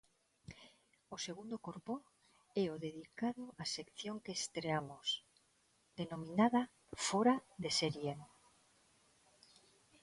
O segundo corpo é o dedicado á sección que estreamos, denominada Fóra de Serie.